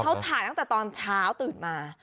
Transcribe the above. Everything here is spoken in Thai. เขาถ่ายตอนเช้าตื่ดมา